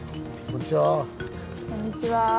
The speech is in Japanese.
こんにちは。